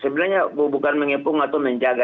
sebenarnya bukan mengepung atau menjaga